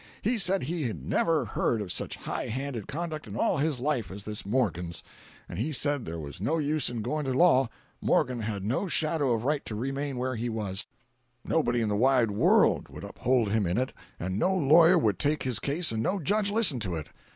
He said he had never heard of such high handed conduct in all his life as this Morgan's. And he said there was no use in going to law—Morgan had no shadow of right to remain where he was—nobody in the wide world would uphold him in it, and no lawyer would take his case and no judge listen to it.